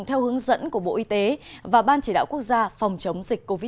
theo hướng dẫn của bộ y tế và ban chỉ đạo quốc gia phòng chống dịch covid một mươi chín